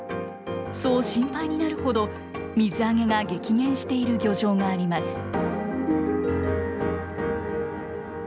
そう心配になるほど、水揚げが激減している漁場があります。